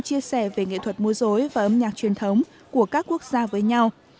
chia sẻ về nghệ thuật mua dối và âm nhạc truyền thống của các quốc gia với nhau